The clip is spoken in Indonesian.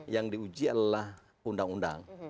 yang diuji adalah undang undang